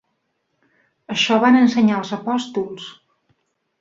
Això van ensenyar els apòstols.